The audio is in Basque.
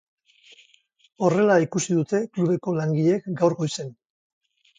Horrela ikusi dute klubeko langileek gaur goizen.